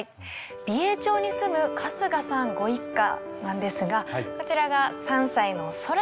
美瑛町に住む春日さんご一家なんですがこちらが３歳の空知くんです。